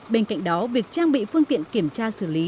bên cạnh đó việc trang bị phương tiện kiểm tra xử lý